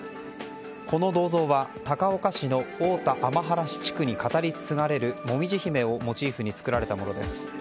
この銅像は高岡市の太田雨晴地区に語り継がれる紅葉姫をモチーフに作られたものです。